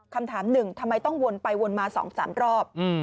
คำถามหนึ่งทำไมต้องวนไปวนมา๒๓รอบ